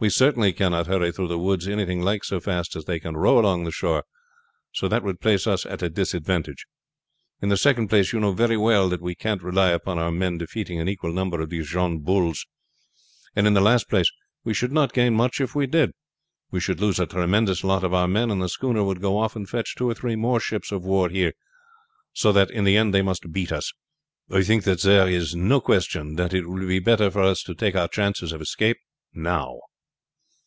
We certainly cannot hurry through the woods anything like so fast as they can row along the shore, so that would place us at a disadvantage. In the second place, you know very well that we can't rely upon our men defeating an equal number of these John Bulls; and in the last place, we should not gain much if we did. We should lose a tremendous lot of our men, and the schooner would go off and fetch two or three more ships of war here, so that in the end they must beat us. I think that there is no question that it will be better for us to take our chances of escape now."